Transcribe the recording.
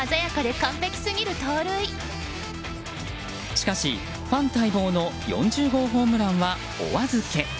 しかし、ファン待望の４０号ホームランはお預け。